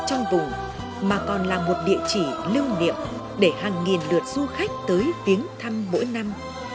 trong vùng mà còn là một địa chỉ lưu niệm để hàng nghìn lượt du khách tới viếng thăm mỗi năm